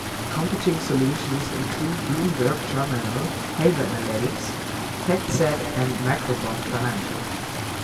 Competing solutions include Bloomberg Terminal, Haver Analytics, Factset and Macrobond Financial.